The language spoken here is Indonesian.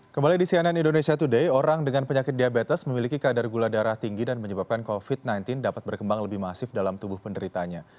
kembali di cnn indonesia today orang dengan penyakit diabetes memiliki kadar gula darah tinggi dan menyebabkan covid sembilan belas dapat berkembang lebih masif dalam tubuh penderitanya